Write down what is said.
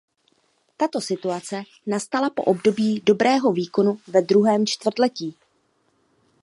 Tato situace nastala po období dobrého výkonu ve druhém čtvrtletí.